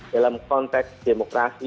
dalam konteks demokrasi